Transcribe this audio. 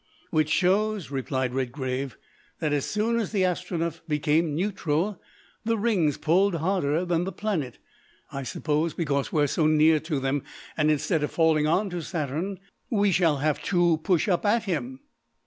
"Which shows," replied Redgrave, "that as soon as the Astronef became neutral the rings pulled harder than the planet, I suppose because we're so near to them, and, instead of falling on to Saturn, we shall have to push up at him."